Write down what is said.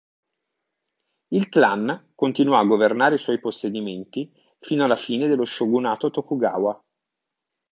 Il clan continuò a governare i suoi possedimenti fino alla fine dello shogunato Tokugawa.